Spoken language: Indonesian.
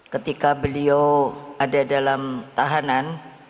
ketika beliau ada dalam tahanan